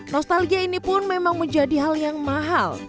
nostalgia ini pun memang menjadi hal yang mahal